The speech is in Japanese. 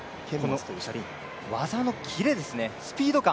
技の切れですね、スピード感。